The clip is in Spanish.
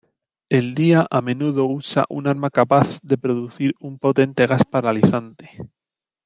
El día a menudo usa un arma capaz de producir un potente gas paralizante.